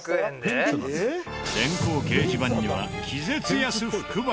電光掲示板には気絶安福箱